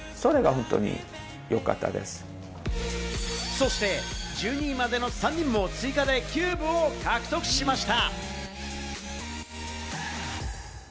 そして１２位までの３人も追加でキューブを獲得しました。